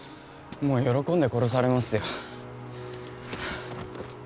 もう喜んで殺されますよ